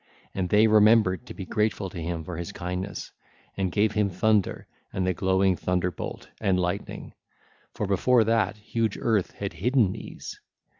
And they remembered to be grateful to him for his kindness, and gave him thunder and the glowing thunderbolt and lightening: for before that, huge Earth had hidden these.